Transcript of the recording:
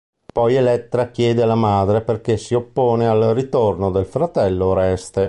Poi Elettra chiede alla madre perché si oppone al ritorno del fratello Oreste.